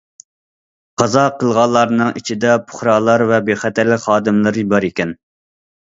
قازا قىلغانلارنىڭ ئىچىدە پۇقرالار ۋە بىخەتەرلىك خادىملىرى بار ئىكەن.